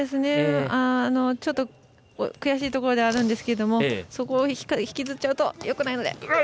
ちょっと悔しいところではあるんですけどそこを引きずっちゃうとよくないので。